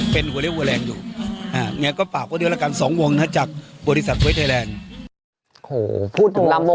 เป็นหัวเรี่ยวหัวแรงอยู่